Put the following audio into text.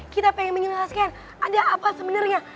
kita ingin menjelaskan ada apa sebenarnya